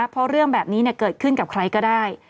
เพราะเรื่องแบบนี้เกิดขึ้นกับใครก็ได้